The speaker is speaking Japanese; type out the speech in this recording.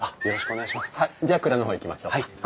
はいじゃあ蔵の方行きましょうか。